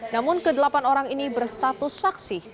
namun ke delapan orang ini berstatus saksi